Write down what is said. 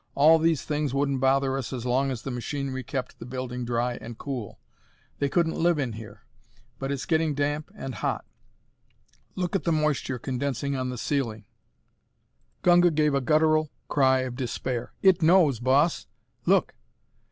"All these things wouldn't bother us as long as the machinery kept the building dry and cool. They couldn't live in here. But it's getting damp and hot. Look at the moisture condensing on the ceiling!" Gunga gave a guttural cry of despair. "It knows, Boss; look!"